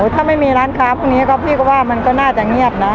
ถ้าไม่มีร้านค้าพวกนี้ก็พี่ก็ว่ามันก็น่าจะเงียบนะ